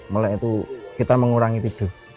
melek itu kita mengurangi tidur